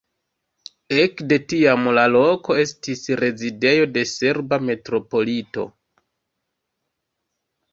Ekde tiam la loko estis rezidejo de serba metropolito.